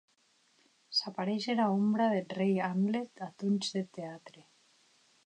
S’apareish era ombra deth rei Hamlet ath hons deth teatre.